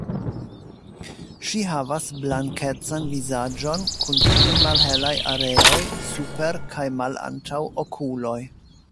Ŝi havas blankecan vizaĝon kun pli malhelaj areoj super kaj malantaŭ okuloj.